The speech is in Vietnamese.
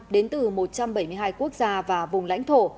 đến từ một trăm bảy mươi hai quốc gia và vùng lãnh thổ